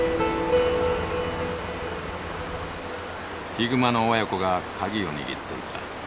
ヒグマの親子が鍵を握っていた。